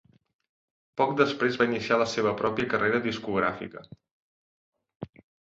Poc després va iniciar la seva pròpia carrera discogràfica.